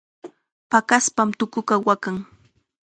Paqaspam tukuqa waqan.